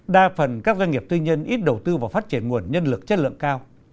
đa phần các doanh nghiệp tư nhân ít đầu tư vào phát triển nguồn nhân lực chất lượng cao